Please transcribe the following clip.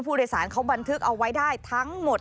ผู้โดยสารเขาบันทึกเอาไว้ได้ทั้งหมด